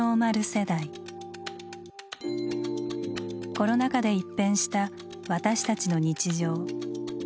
コロナ禍で一変した私たちの日常。